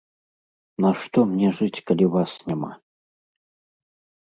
Нашто мне жыць, калі вас няма!